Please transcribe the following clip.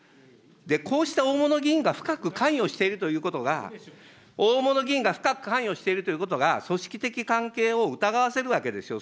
こうした大物議員が深く関与しているということが、大物議員が深く関与しているということが、組織的関係を疑わせるわけでしょ。